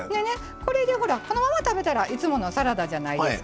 このまま食べたらいつものサラダじゃないですか。